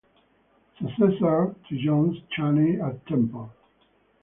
Successor to John Chaney at Temple.